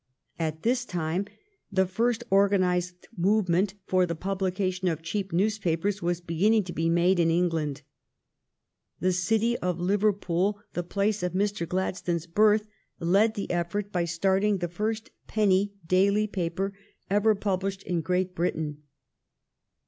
At this time the first organized movement for the publication of cheap newspapers was beginning to be made in England. The city of Liverpool, the place of Mr. Gladstone's birth, led the effort by starting the first penny daily paper ever published in Great Britain.